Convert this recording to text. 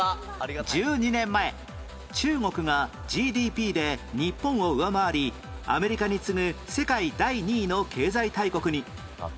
１２年前中国が ＧＤＰ で日本を上回りアメリカに次ぐ世界第２位の経済大国に